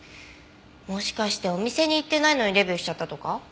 もしかしてお店に行ってないのにレビューしちゃったとか？